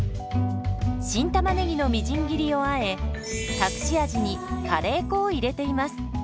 新たまねぎのみじん切りをあえ隠し味にカレー粉を入れています。